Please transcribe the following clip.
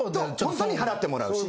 ホントに払ってもらうし。